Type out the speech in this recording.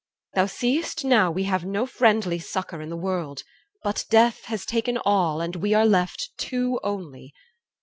Thou seëst now, We have no friendly succour in the world; But death has taken all, and we are left Two only.